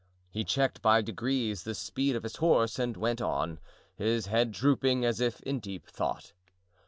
He checked by degrees the speed of his horse and went on, his head drooping as if in deep thought.